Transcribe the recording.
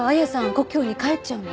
故郷に帰っちゃうの？